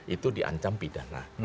itu diancam pidana